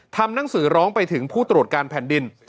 ทำหนังสือร้องไปถึงผู้ตรวจการแผ่นดิน